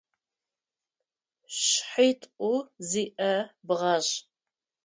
Шъхьитӏу зиӏэ бгъэжъ.